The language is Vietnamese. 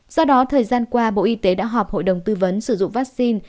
do đó thời gian qua bộ y tế đã họp hội đồng tư vấn sử dụng vaccine